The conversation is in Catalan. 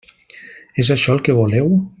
És això el que voleu?